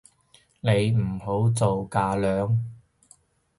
你唔好做架樑